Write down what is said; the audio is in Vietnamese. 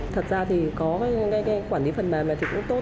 thật ra thì có cái quản lý phần mềm này thì cũng tốt